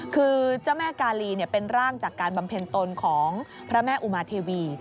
คือเจ้าแม่กาลีเป็นร่างจากการบำเพ็ญตนของพระแม่อุมาเทวี